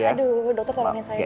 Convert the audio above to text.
aduh dokter tolongin saya